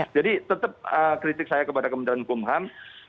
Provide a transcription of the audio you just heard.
jadi tetap kritik saya kepada kementerian hukum dan ham